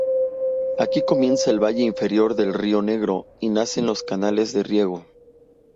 Aquí comienza el valle inferior del río Negro y nacen los canales de riego.